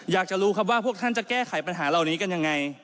อยากจะรู้ครับว่าพวกท่านจะแก้ไขปัญหาเหล่านี้กันยังไง